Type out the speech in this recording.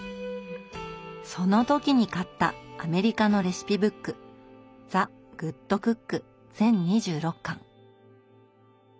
その時に買ったアメリカのレシピブック「ザグッドクック」全２６巻。